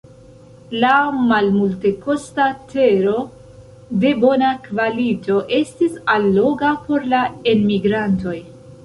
La malmultekosta tero de bona kvalito estis alloga por la enmigrantoj.